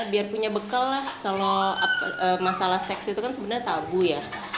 biar punya bekal lah kalau masalah seks itu kan sebenarnya tabu ya